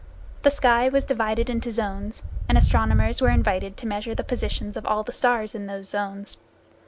The sky was divided into zones, and astronomers were invited to measure the positions of all the stars in these zones.